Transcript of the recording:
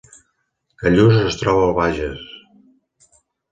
Callús es troba al Bages